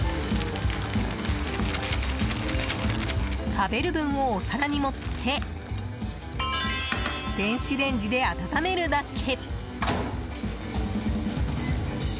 食べる分をお皿に盛って電子レンジで温めるだけ。